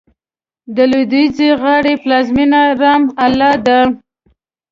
د لوېدیځې غاړې پلازمېنه رام الله ده.